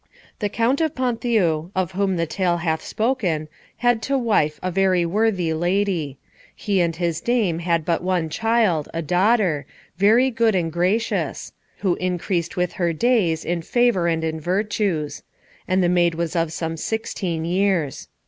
The Count of Ponthieu, of whom the tale hath spoken, had to wife a very worthy lady. He and his dame had but one child, a daughter, very good and gracious, who increased with her days in favour and in virtues; and the maid was of some sixteen years.